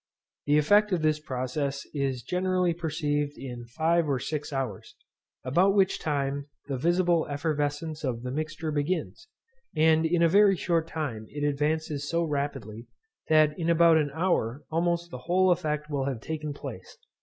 The effect of this process is generally perceived in five or six hours, about which time the visible effervesence of the mixture begins; and in a very short time it advances so rapidly, that in about an hour almost the whole effect will have taken place.